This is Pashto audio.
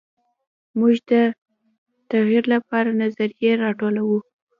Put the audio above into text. موږ د تغیر لپاره نظریې راټولوو.